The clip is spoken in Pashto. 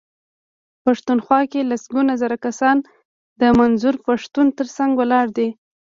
پښتونخوا کې لسګونه زره کسان د منظور پښتون ترڅنګ ولاړ دي.